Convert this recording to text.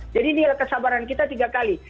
jadi ini adalah kesabaran kita tiga kali